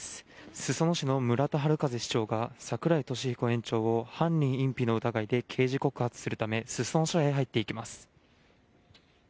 裾野市の村田悠市長が櫻井利彦園長を犯人隠避の疑いで刑事告発するため裾野署に入っていきます。